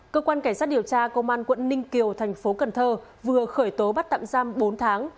cơ quan cảnh sát điều tra công an quận ninh kiều thành phố cần thơ vừa khởi tố bắt tạm giam bốn tháng